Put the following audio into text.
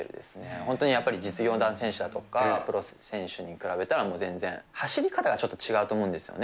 本当にやっぱり実業団選手だとか、プロ選手に比べたら、もう全然。走り方がちょっと違うと思うんですよね。